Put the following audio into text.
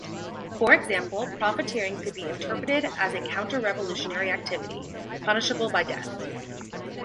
For example, profiteering could be interpreted as a counter-revolutionary activity punishable by death.